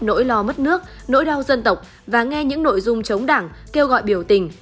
nỗi lo mất nước nỗi đau dân tộc và nghe những nội dung chống đảng kêu gọi biểu tình